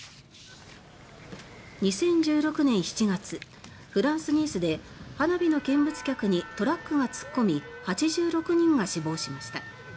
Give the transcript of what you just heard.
２０１６年７月フランス・ニースで花火の見物客にトラックが突っ込み８６人が死亡しました。